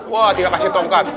wah tidak kasih tongkat